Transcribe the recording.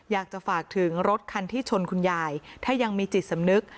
อยากจะฝากถึงรถคันที่ชนคุณยายถ้ายังมีจิตสำนึก